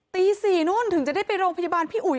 ตี๔นู่นถึงจะได้ไปโรงพยาบาลพี่อุ๋ย